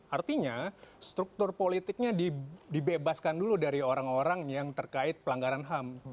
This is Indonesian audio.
artinya struktur politiknya dibebaskan dulu dari orang orang yang terkait pelanggaran ham